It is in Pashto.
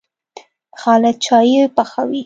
خالد چايي پخوي.